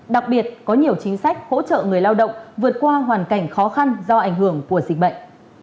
đặc biệt có nhiều chính sách hỗ trợ người lao động vượt qua hoàn cảnh khó khăn do ảnh hưởng của dịch bệnh